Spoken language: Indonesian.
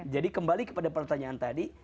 jadi kembali kepada pertanyaan tadi